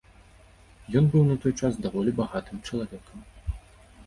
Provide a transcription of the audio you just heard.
Ён быў на той час даволі багатым чалавекам.